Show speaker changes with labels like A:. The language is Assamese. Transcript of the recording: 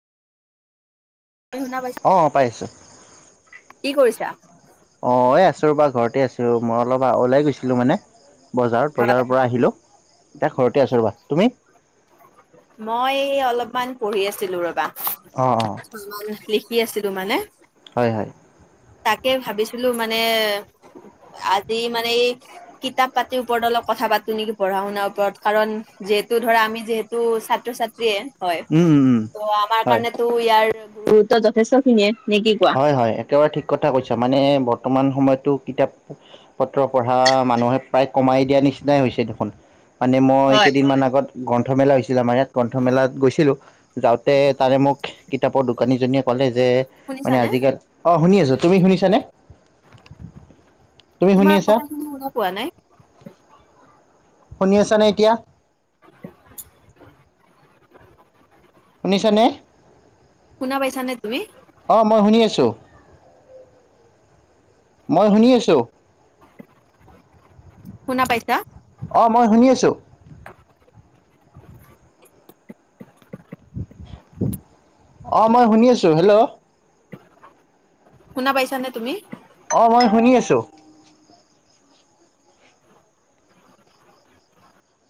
A: তুমি শুনা পাইছা।
B: অ পাইছো
A: কি কৰিছা?
B: অঁ এই আছো ৰ'বা ঘৰতেই আছোঁ, মই অলপ ওলাই গৈছিলোঁ মানে বজাৰত,
A: হয়,
B: বজাৰ পৰা আহিলোঁ এতিয়া ঘৰতে আছোঁ ৰ'বা, তুমি?
A: মই অলপমান পঢ়ি আছিলো ৰ'বা।
B: অ', অ'।
A: লিখি আছিলো মানে।
B: হয়, হয়।
A: তাকে ভাবিছিলো মানে আজি মানে এই কিতাপ পাতিৰ ওপৰত অলপ কথা পাতো নেকি পঢ়া শুনাৰ ওপৰত? কাৰণ যিহেতু ধৰা আমি যিহেতু টো ছাত্ৰ ছাত্ৰীয়ে হয়,
B: উম উম উম
A: ত' আমাৰ
B: হয়
A: কাৰণেটো ইয়াৰ গুৰুত্ব যথেষ্ট খিনিয়ে নে কি কোৱা?
B: হয়, হয় একেবাৰে ঠিক কথা কৈছা। মানে বৰ্তমান সময়ততো কিতাপ পত্ৰ পঢ়া মানুহে প্ৰায় কমাই দিয়া নিচিনাই হৈছে দেখোন। মানে মই
A: হয়,
B: কেইদিনমান আগত গ্ৰন্থমেলা হৈছিল আমাৰ ইয়াত, গ্ৰন্থমেলাত গৈছিলোঁ। যাওঁতে তাৰে মোক কিতাপৰ দোকানীজনীয়ে ক'লে যে মানে
A: শুনিছানে?
B: আজিকালি অঁ শুনি আছো, তুমি শুনিছানে তুমি শুনি
A: তোমাৰ
B: আছা
A: কথাখিনি পোৱা নাই।
B: শুনি আছানে এতিয়া?
A: [inaudible]
B: শুনিছানে?
A: শুনা পাইছা নে তুমি?
B: অঁ মই শুনি আছোঁ। মই শুনি আছোঁ।
A: শুনা পাইচা?
B: অঁ মই শুনি আছোঁ। অ' মই শুনি আছো হেল্ল'?
A: শুনা পাইছা নে তুমি?
B: অ' মই শুনি আছো।